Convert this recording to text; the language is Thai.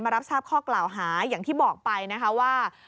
รับทราบข้อกล่าวหาอย่างที่บอกไปนะคะว่า